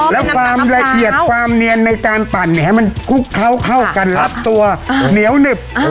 แล้วความละเอียดความเนียนในการปั่นเนี่ยให้มันคลุกเคล้าเข้ากันรับตัวเหนียวหนึบ